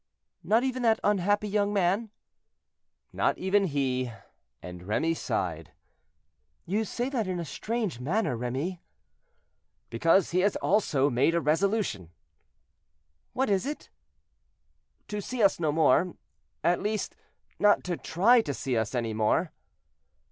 "Not even that unhappy young man?" "Not even he." And Remy sighed. "You say that in a strange manner, Remy." "Because he also has made a resolution." "What is it?" "To see us no more; at least, not to try to see us any more."